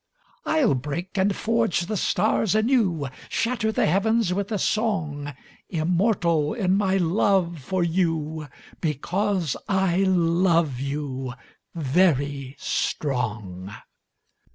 I'll break and forge the stars anew, Shatter the heavens with a song; Immortal in my love for you, Because I love you, very strong.